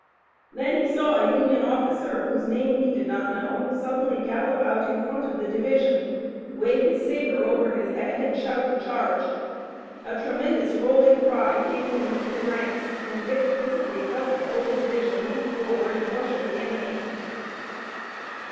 Then he saw a Union officer, whose name he did not know suddenly gallop out in front of the division, wave his saber over his head and shout the charge. A tremendous rolling cry came from the blue ranks and Dick physically felt the whole division leap forward and rush at the enemy.